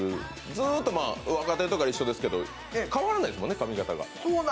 ずっと若手のときから一緒ですけど変わらないですもんね、髪形が。